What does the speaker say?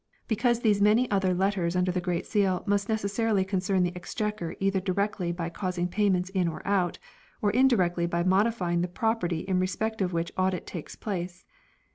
Besides these many other letters under the Great Seal must necessarily concern the Exchequer either directly by causing payments in or out, 1 or indirectly by modi fying the property in respect of which audit takes place.